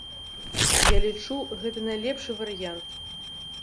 Я лічу, гэта найлепшы варыянт.